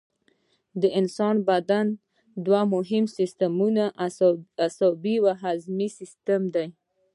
د انساني بدن دوه مهم سیستمونه عصبي او هضمي سیستم دي